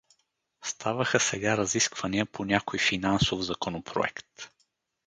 Ставаха сега разисквания по някой финансов законопроект.